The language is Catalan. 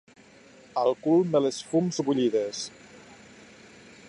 Al cul me les fums bullides.